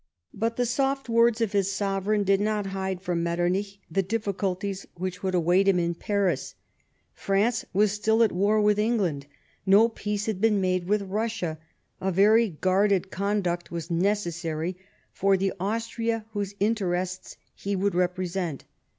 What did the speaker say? But the soft words of his sovereign did not hide from ?iretternich the difficulties which would await him at Paris. France was still at war with England ; no peace had been made with Russia ; a very guarded conduct was necessary for the Austria whose interests he would represent.